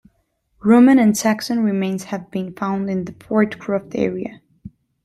Roman and Saxon remains have been found in the Fordcroft area.